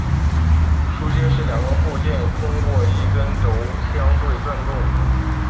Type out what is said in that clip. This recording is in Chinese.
枢接是两个部件通过一根轴相对转动。